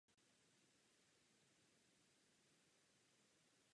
Vysoká komprese vede obvykle i k růstu teploty hoření.